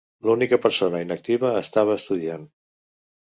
L'única persona inactiva estava estudiant.